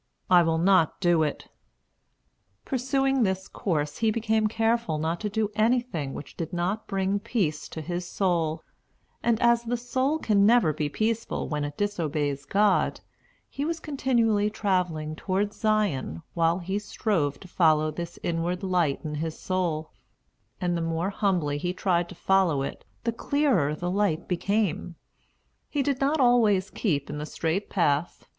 I will not do it." Pursuing this course, he became careful not to do anything which did not bring peace to his soul; and as the soul can never be peaceful when it disobeys God, he was continually travelling toward Zion while he strove to follow this inward light in his soul; and the more humbly he tried to follow it, the clearer the light became. He did not always keep in the straight path.